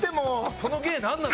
その芸なんなの？